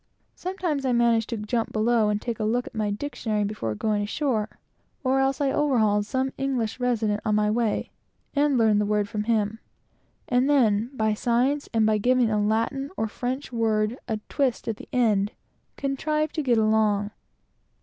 Sometimes I managed to jump below and take a look at my dictionary before going ashore; or else I overhauled some English resident on my way, and got the word from him; and then, by signs, and the help of my Latin and French, contrived to get along.